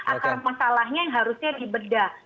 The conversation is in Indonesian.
akar masalahnya yang harusnya dibedah